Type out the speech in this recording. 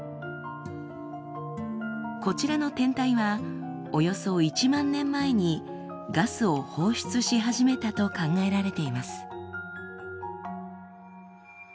こちらの天体はおよそ１万年前にガスを放出し始めたと考えられています。